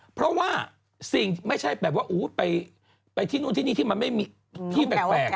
เพราะว่าสิ่งไม่ใช่แบบว่าไปที่นู่นที่นี่ที่มันไม่มีที่แปลก